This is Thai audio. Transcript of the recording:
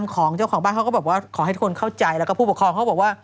เขาก็บอกว่าขอให้ทุกคนเข้าใจแล้วก็ผู้ปกครองเขาบอกว่า